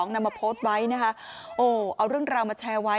นำมาโพสต์ไว้เอาเรื่องราวมาแชร์ไว้